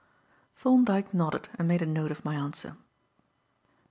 Thorndyke nodded and made a note of my answer.